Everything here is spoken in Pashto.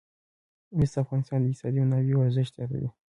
مس د افغانستان د اقتصادي منابعو ارزښت زیاتوي.